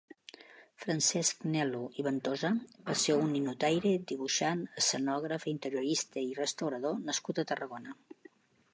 Francesc Nel·lo i Ventosa va ser un ninotaire, dibuixant, escenògraf, interiorista i restaurador nascut a Tarragona.